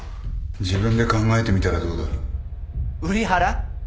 自分で考えてみたらどうだ瓜原？